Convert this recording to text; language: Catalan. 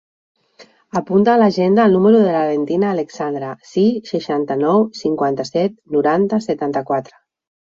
Apunta a l'agenda el número de la Valentina Aleixandre: sis, seixanta-nou, cinquanta-set, noranta, setanta-quatre.